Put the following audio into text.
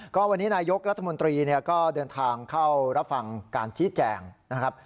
ก็วันนี้นายกรัฐมนตรีก็เดินทางเข้ารับฟังการชี้แจงนะครับ